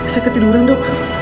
saya ketiduran dok